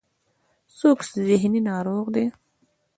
څوک ذهني ناروغ دی.